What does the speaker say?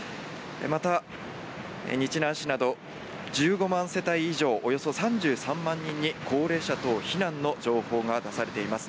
また、日南市など１５万世帯以上およそ３３万人に高齢者等避難の情報が出されています。